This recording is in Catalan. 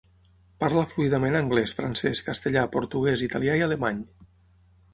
Parla fluidament anglès, francès, castellà, portuguès, italià i alemany.